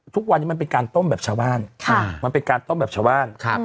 ทุกวันนี้มันเป็นการต้มแบบชาวบ้านมันเป็นการต้มแบบชาวบ้าน